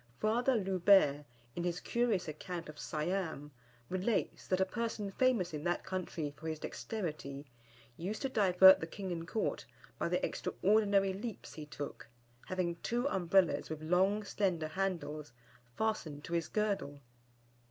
Father Loubère, in his curious account of Siam, relates, that a person famous in that country for his dexterity, used to divert the King and Court by the extraordinary leaps he took, having two Umbrellas with long slender handles, fastened to his girdle.